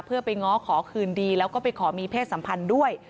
เพื่อไปง้อขอคืนดีแล้วก็ไปขอมีเพศสัมพันธ์ด้วย